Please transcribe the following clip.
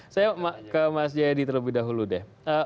saya ke mas jaya di terlebih dahulu deh